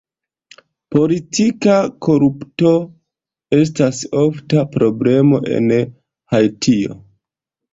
Politika korupto estas ofta problemo en Haitio.